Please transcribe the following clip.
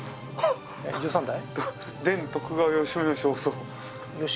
１３代？